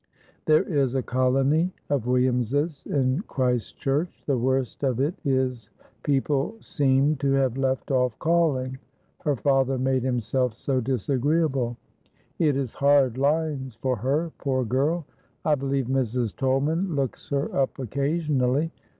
There is a colony of Williamses in Christ church. The worst of it is people seemed to have left off calling, her father made himself so disagreeable; it is hard lines for her, poor girl. I believe Mrs. Tolman looks her up occasionally."